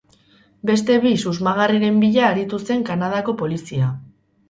Beste bi susmagarriren bila aritu zen Kanadako Polizia.